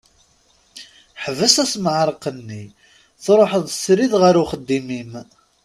Ḥbes asmeɛreq-nni, truḥeḍ srid ɣer uxeddim-im.